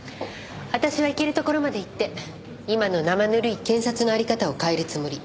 私はいけるところまでいって今の生ぬるい検察の在り方を変えるつもり。